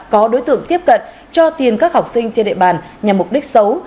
có đối tượng tiếp cận cho tiền các học sinh trên địa bàn nhằm mục đích xấu